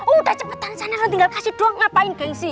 udah cepetan sanaran tinggal kasih doang ngapain gengsi